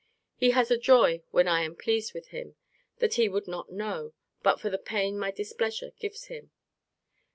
He has a joy when I am pleased with him that he would not know, but for the pain my displeasure gives him.